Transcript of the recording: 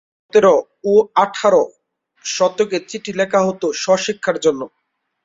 সতের ও আঠারো শতকে চিঠি লেখা হতো স্ব-শিক্ষার জন্য।